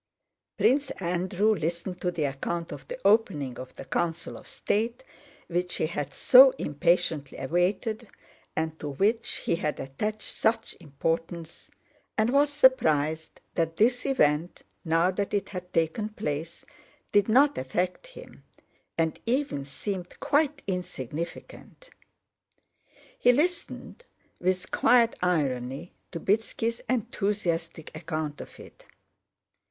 Prince Andrew listened to the account of the opening of the Council of State, which he had so impatiently awaited and to which he had attached such importance, and was surprised that this event, now that it had taken place, did not affect him, and even seemed quite insignificant. He listened with quiet irony to Bítski's enthusiastic account of it.